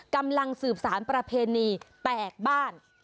กำลังสืบสารประเพณีแตกบ้าน